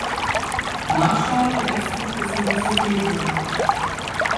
Marshal westlich des Mississippi River.